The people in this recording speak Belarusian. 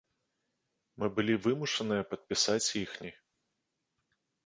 Мы былі вымушаныя падпісаць іхні.